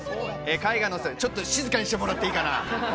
絵画の、ちょっと静かにしてもらっていいかな？